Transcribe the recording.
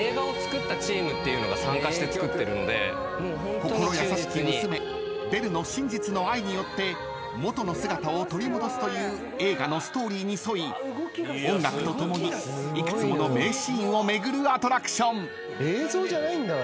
［心優しき娘ベルの真実の愛によって元の姿を取り戻すという映画のストーリーに沿い音楽とともに幾つもの名シーンを巡るアトラクション］